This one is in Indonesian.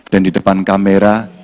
dan di depan kamera